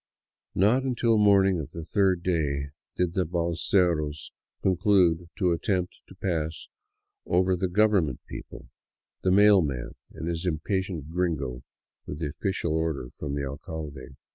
Not until the morning of the third day did the balseros conclude to attempt to pass over the " government people," — the mail man and this impatient gringo with the official order from the alcalde.